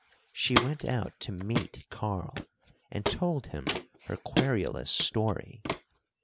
She went out to meet Karl, and told him her querulous story.